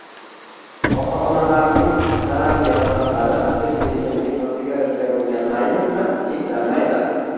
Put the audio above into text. Ota-onalarning zararli odatlari spirtli ichimlik va sigaretga bo‘lgan mayl bilan cheklanmaydi.